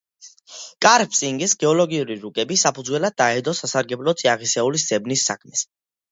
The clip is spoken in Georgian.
კარპინსკის გეოლოგიური რუკები საფუძვლად დაედო სასარგებლო წიაღისეულის ძებნის საქმეს.